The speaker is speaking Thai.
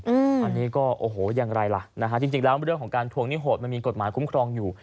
อันนี้ก็โอ้โหอย่างไรล่ะนะฮะจริงแล้วเรื่องของการทวงหนี้โหดมันมีกฎหมายคุ้มครองอยู่